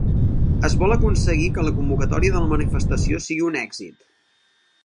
Es vol aconseguir que la convocatòria de la manifestació sigui un èxit